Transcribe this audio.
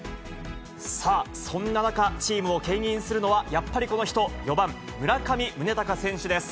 さあ、そんな中、チームをけん引するのはやっぱりこの人、４番村上宗隆選手です。